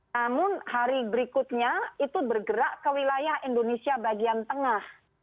namun hari berikutnya itu bergerak ke wilayah indonesia bagian tengah